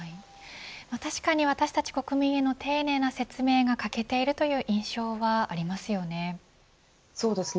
確かに私たち国民への丁寧な説明が欠けているという印象はありますよね。